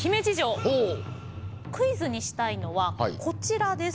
クイズにしたいのはこちらです。